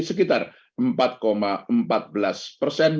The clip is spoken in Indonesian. sekitar empat empat belas persen